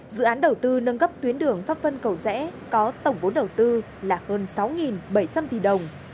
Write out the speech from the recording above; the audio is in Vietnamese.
dự án đầu tư nâng cấp tuyến đường pháp vân cầu rẽ có tổng vốn đầu tư là hơn sáu bảy trăm linh tỷ đồng